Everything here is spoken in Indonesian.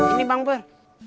ini bang pur